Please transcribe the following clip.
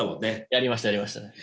やりましたやりました。